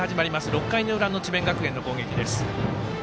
６回の裏の智弁学園の攻撃です。